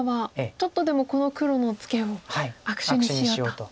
ちょっとでもこの黒のツケを悪手にしようと。